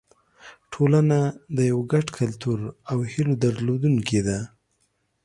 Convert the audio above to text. ټولنه د یو ګډ کلتور او هیلو درلودونکې ده.